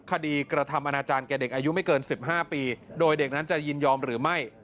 คดีกระทำอนาจารย์แก่เด็กอายุไม่เกิน๑๕ปีโดยเด็กนั้นจะยินยอมหรือไม่